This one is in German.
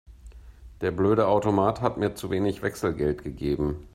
Der blöde Automat hat mir zu wenig Wechselgeld gegeben.